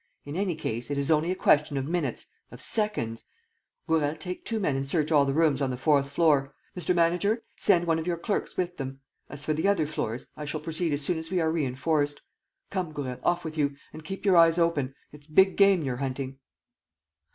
In any case, it is only a question of minutes, of seconds. ... Gourel, take two men and search all the rooms on the fourth floor. ... Mr. Manager, send one of your clerks with them. ... As for the other floors, I shall proceed as soon as we are reënforced. Come, Gourel, off with you, and keep your eyes open. ... It's big game you're hunting!"